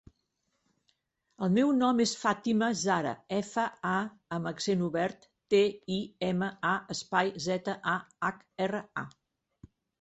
El meu nom és Fàtima zahra: efa, a amb accent obert, te, i, ema, a, espai, zeta, a, hac, erra, a.